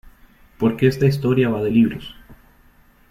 Porque esta historia va de libros.